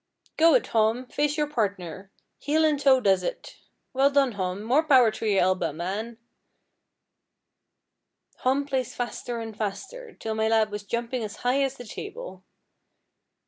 'Go it, Hom face your partner heel an' toe does it. Well done, Hom more power to your elba, man.' Hom plays faster and faster, till my lad was jumping as high as the table.